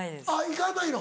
行かないの？